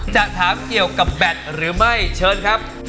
จะถามเกี่ยวกับแบตหรือไม่เชิญครับ